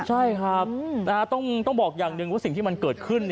ใช่ครับต้องบอกอย่างหนึ่งว่าสิ่งที่มันเกิดขึ้น